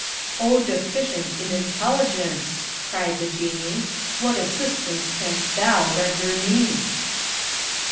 "O deficient in intelligence!" cried the Jinnee. "What assistance canst thou render me?"